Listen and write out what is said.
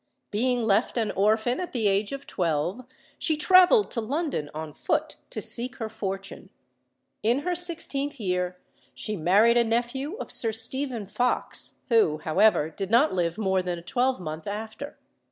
Being left an orphan at the age of twelve, she travelled to London on foot to seek her fortune. In her sixteenth year she married a nephew of Sir Stephen Fox, who, however, did not live more than a twelvemonth after.